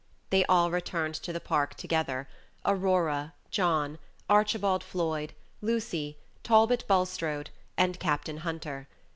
They all returned to the Park together Aurora, John, Archibald Floyd, Lucy, Talbot Bulstrode, and Captain Hunter.